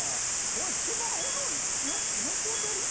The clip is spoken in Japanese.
これスマホの横取り？